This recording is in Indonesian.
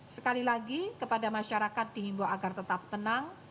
sekali lagi kepada masyarakat dihimbau agar tetap tenang